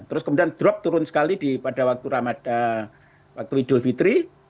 terus kemudian drop turun sekali pada waktu idul fitri